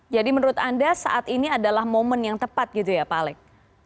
jadi menurut anda saat ini adalah momen yang tepat gitu ya pak alex